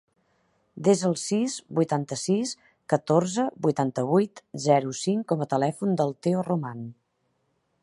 Desa el sis, vuitanta-sis, catorze, vuitanta-vuit, zero, cinc com a telèfon del Teo Roman.